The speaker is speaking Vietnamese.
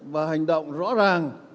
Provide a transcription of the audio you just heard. và hành động rõ ràng